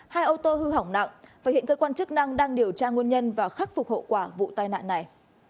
hai ô tô hư hỏng nặng và hiện cơ quan chức năng đang điều tra nguồn nhân và khắc phục hậu quả vụ tai nạn này